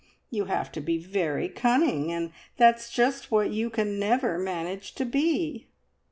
You have to be very cunning, and that's just what you can never manage to be!"